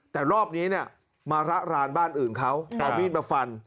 แต่รอบนี้เนี่ยมาระรานบ้านอื่นเขาเอามีดมาฟัน